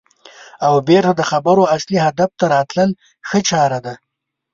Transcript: او بېرته د خبرو اصلي هدف ته راتلل ښه چاره ده.